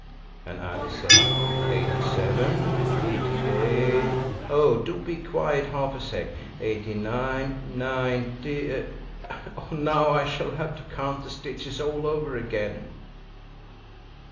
And Alice said, "Eighty seven, eighty eight–oh, do be quiet half a sec.!–eighty nine, ninety–now I shall have to count the stitches all over again!"